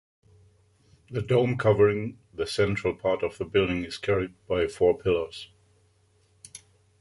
The dome covering the central part of the building is carried by four pillars.